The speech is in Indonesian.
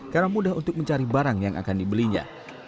karena mudah untuk mencari barang yang akan dibelinya